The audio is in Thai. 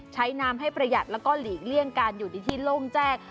ใช้น้ำให้ประหยัดแล้วก็หลีกเลี่ยงการอยู่ในที่โล่งแจ้ง